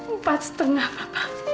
empat setengah papa